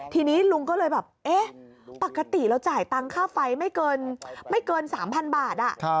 ทีนี้ลุงก็เลยแบบเอ๊ะปกติเราจ่ายตังค่าไฟไม่เกิน๓๐๐๐บาท